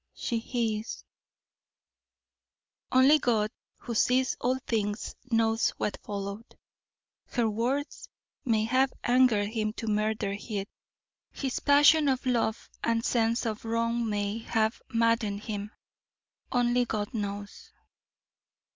she hissed. Only God, who sees all things, knows what followed. Her words, may have angered him to murder heat; his passion of love and sense of wrong may have maddened him only God knows.